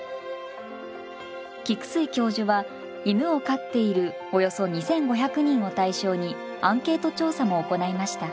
菊水教授は犬を飼っているおよそ２，５００人を対象にアンケート調査も行いました。